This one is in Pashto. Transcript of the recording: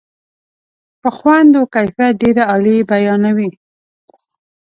په خوند و کیفیت ډېره عالي بیانوي.